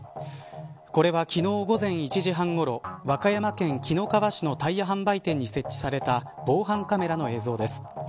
これは昨日午前１時半ごろ和歌山県紀の川市のタイヤ販売店に設置された防犯カメラの映像です。